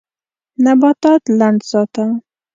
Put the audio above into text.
نباتات لند ساته.